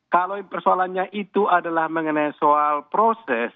kalau persoalannya itu adalah mengenai soal proses